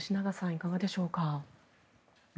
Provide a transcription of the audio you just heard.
いかがでしょうか。